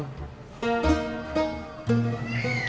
gak mikirin papinya